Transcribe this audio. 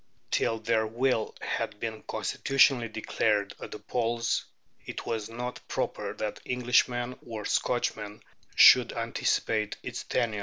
Till their will had been constitutionally declared at the polls it was not proper that Englishmen or Scotchmen should anticipate its tenour.